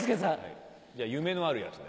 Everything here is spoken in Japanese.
じゃあ夢のあるやつで。